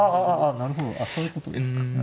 ああなるほどそういうことですか。